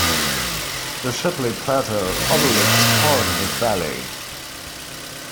The Shipley Plateau overlooks part of the valley.